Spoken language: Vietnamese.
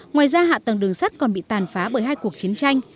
ngoài ra hạ tầng đường sắt còn bị tàn phá bởi hai cuộc chiến tranh